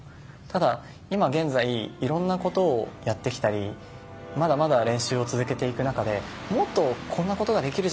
ただ、今現在いろんなことをやってきたりまだまだ練習を続けていく中でもっとこんなことができる